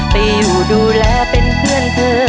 ไปอยู่ดูแลเป็นเพื่อนเธอ